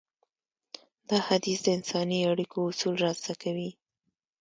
دا حديث د انساني اړيکو اصول رازده کوي.